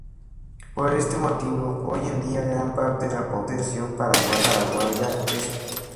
Por este motivo, hoy en día gran parte de la población paraguaya es mestiza.